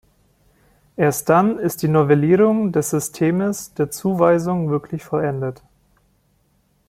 Erst dann ist die Novellierung des Systems der -Zuweisung wirklich vollendet.